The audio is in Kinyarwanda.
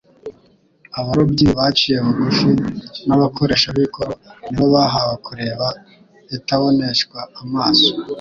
Abarobyi baciye bugufi n'abakoresha b'ikoro ni bo bahawe kureba Itaboneshwa amaso.